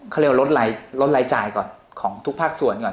เขาเรียกว่าลดรายจ่ายก่อนของทุกภาคส่วนก่อน